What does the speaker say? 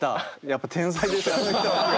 やっぱ天才ですあの人。